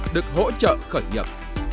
được hỗ trợ khởi nhập